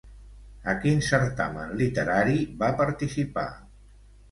A quin certamen literari va participar?